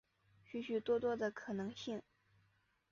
许许多多的可能性